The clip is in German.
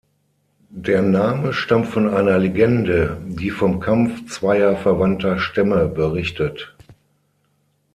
Der Name stammt von einer Legende, die vom Kampf zweier verwandter Stämme berichtet.